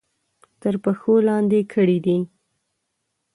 تر پښو لاندې کړي دي.